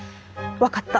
分かった。